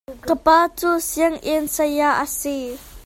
Ka pa cu sianginn saya a si.